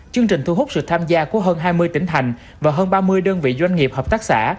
chương trình thu hút sự tham gia của hơn hai mươi tỉnh thành và hơn ba mươi đơn vị doanh nghiệp hợp tác xã